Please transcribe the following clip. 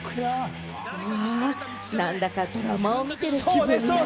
なんだかドラマを見ている気分。